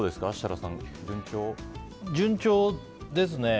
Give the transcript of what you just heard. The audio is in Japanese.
順調ですね。